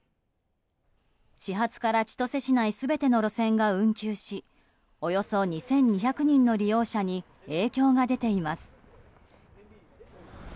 始発から千歳市内全ての路線が運休しおよそ２２００人の利用者に影響が出ています。